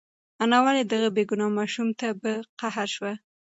انا ولې دغه بېګناه ماشوم ته په قهر شوه؟